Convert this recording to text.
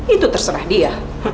itu terserah dia